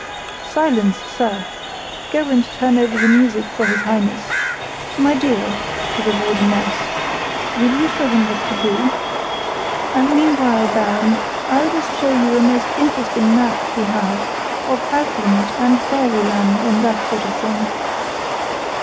"Silence, Sir! Go and turn over the music for his Highness. My dear," (to the Wardeness) "will you show him what to do? And meanwhile, Baron, I'll just show you a most interesting map we have of Outland, and Fairyland, and that sort of thing."